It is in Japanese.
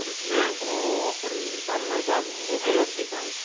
このやっぱり伴内バーグもうんと練っていただいて。